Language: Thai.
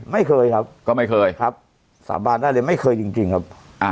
ไม่เคยครับก็ไม่เคยครับสาบานได้เลยไม่เคยจริงครับ